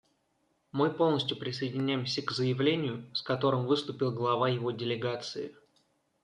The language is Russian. Мы полностью присоединяемся к заявлению, с которым выступил глава его делегации.